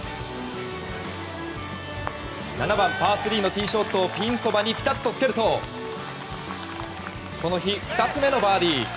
７番、パー３のティーショットをピンそばにピタッとつけるとこの日２つ目のバーディー。